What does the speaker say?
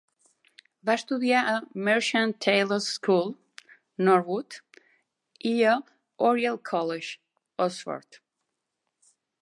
Va estudiar a Merchant Taylors' School, Northwood, i a Oriel College, Oxford.